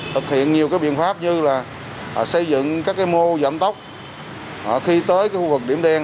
thực hiện nhiều cái biện pháp như là xây dựng các cái mô giảm tốc khi tới cái khu vực điểm đen